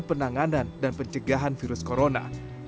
penanganan dan pencegahan virus corona